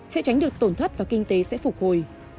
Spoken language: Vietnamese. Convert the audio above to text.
sẽ tránh được tổn thất và kinh tế sẽ phục hồi